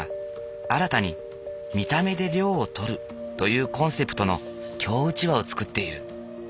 新たに見た目で涼をとるというコンセプトの京うちわを作っている。